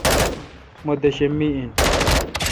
مہ دیشم می این۔